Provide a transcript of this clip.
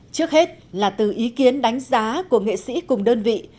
trước hết là từ ý kiến đánh giá của nghệ sĩ cùng đơn vị